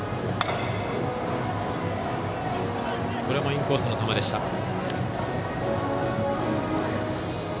これもインコースの球でした。